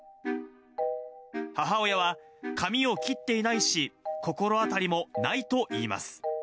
母親は髪を切っていないし、心当たりもないといいます。